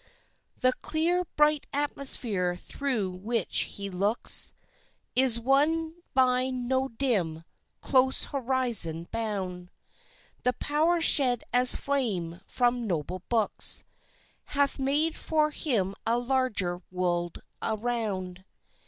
The clear, bright atmosphere through which he looks Is one by no dim, close horizon bound; The power shed as flame from noble books Hath made for him a larger world around.